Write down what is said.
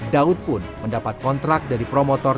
daud pun mendapat kontrak dari promotor